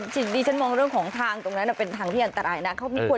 จริงดิฉันมองเรื่องของทางตรงนั้นเป็นทางที่อันตรายนะ